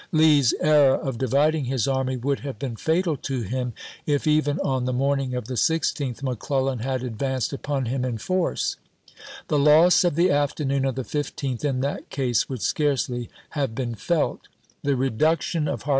Lee's error of dividing his army would have been fatal to him if even on the morning of the 16th McClellan had advanced upon him in force. The loss of the afternoon of the 15th in that case would scarcely have been felt. The reduction of 1 McClellan in his memoirs, " Own Story," p.